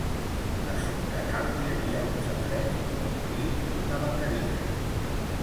A son Canals hi havia un safareig, un molí i una vaqueria.